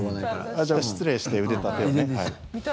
じゃあ、失礼して腕立てをね。見たい。